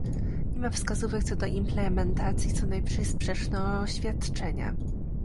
Nie ma wskazówek co do implementacji, co najwyżej sprzeczne oświadczenia